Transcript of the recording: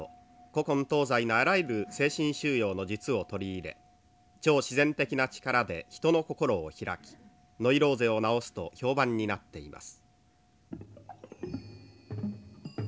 古今東西のあらゆる精神修養の術を取り入れ超自然的な力で人の心を開きノイローゼを治すと評判になっています」。